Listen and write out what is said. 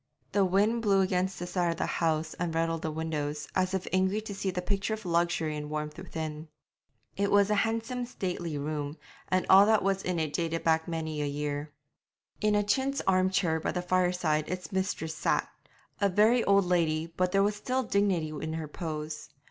The wind blew against this side of the house and rattled the windows, as if angry to see the picture of luxury and warmth within. It was a handsome stately room, and all that was in it dated back many a year. In a chintz arm chair by the fireside its mistress sat a very old lady, but there was still dignity in her pose.